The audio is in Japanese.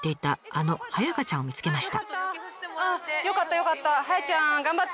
あのはやかちゃんを見つけました。